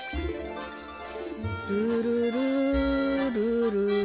ルルルルルル。